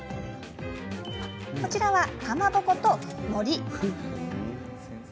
こちらは、かまぼことのり。